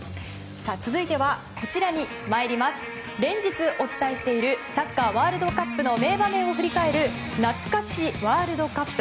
続いては、連日お伝えしているサッカーワールドカップの名場面を振り返るなつか史ワールドカップ。